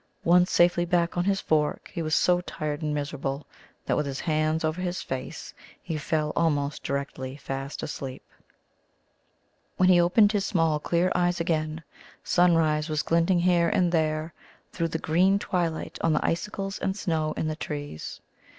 Once safely back on his fork, he was so tired and miserable that, with his hands over his face, he fell almost directly fast asleep. When he opened his small clear eyes again, sunrise was glinting here and there through the green twilight on the icicles and snow in the trees.